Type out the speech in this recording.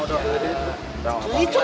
itu itu ah